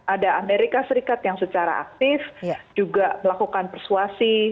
ada amerika serikat yang secara aktif juga melakukan persuasi